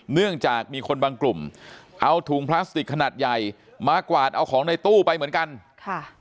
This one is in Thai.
เนื่องจากมีคนบางกลุ่มเอาถุงพลาสติกขนาดใหญ่มากวาดเอาของในตู้ไปเหมือนกันค่ะ